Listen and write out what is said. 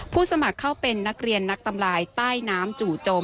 สมัครเข้าเป็นนักเรียนนักตำลายใต้น้ำจู่โจม